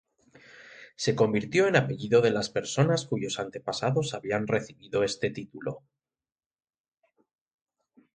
Se convirtió en apellido de las personas cuyos antepasados habían recibido este título.